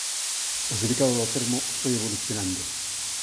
O significado do termo foi evolucionando.